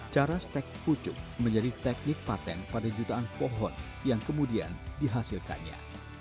cara stek pucuk menjadi teknik patent pada jutaan pohon yang kemudian dihasilkannya